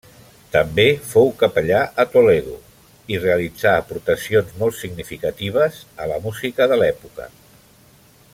També fou capellà a Toledo, i realitzà aportacions molt significatives a la música de l'època.